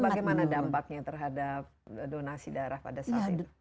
bagaimana dampaknya terhadap donasi darah pada saat itu